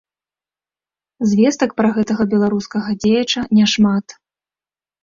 Звестак пра гэтага беларускага дзеяча няшмат.